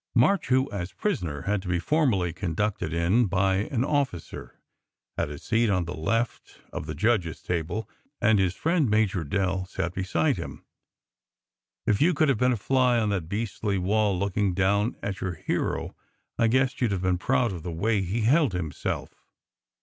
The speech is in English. "March, who as prisoner had to be formally conducted in by an officer, had a seat on the left of the judges table, and his friend, Major Dell, sat beside him. If you could have been a fly on that beastly wall, looking down at your hero, I guess you d have been proud of the way he held himself.